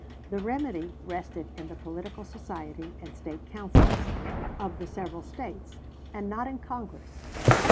The remedy rested in the political society and State councils of the several States and not in Congress.